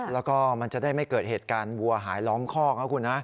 แล้วก็มันจะได้ไม่เกิดเหตุการณ์วัวหายร้องคลอก